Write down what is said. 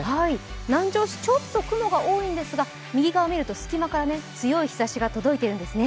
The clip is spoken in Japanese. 南城市ちょっと雲が多いんですが右側を見ると隙間から強い日ざしが届いているんですね。